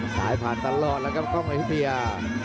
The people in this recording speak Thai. สายผ่านตลอดแล้วกับก้องอยุธยา